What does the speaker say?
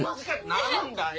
何だよ？